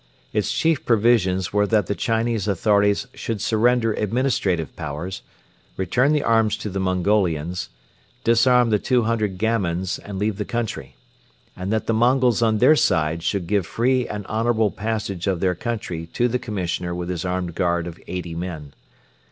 Its chief provisions were that the Chinese authorities should surrender administrative powers, return the arms to the Mongolians, disarm the two hundred gamins and leave the country; and that the Mongols on their side should give free and honorable passage of their country to the Commissioner with his armed guard of eighty men.